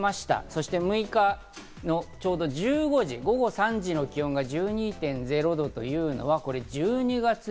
そして、６日のちょうど１５時、午後３時の気温が１２．０度。